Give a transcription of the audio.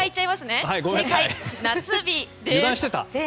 正解は夏日です。